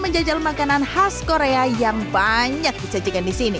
menjajal makanan khas korea yang banyak disajikan di sini